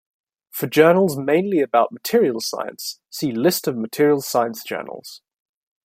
For journals mainly about materials science, see List of materials science journals.